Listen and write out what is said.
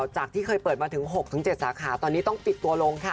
จากที่เคยเปิดมาถึง๖๗สาขาตอนนี้ต้องปิดตัวลงค่ะ